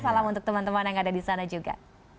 salam untuk teman teman yang ada di sana juga